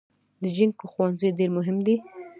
د جینکو ښوونځي ډیر مهم دی